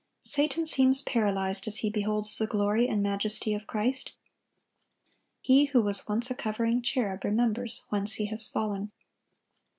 Satan seems paralyzed as he beholds the glory and majesty of Christ. He who was once a covering cherub remembers whence he has fallen.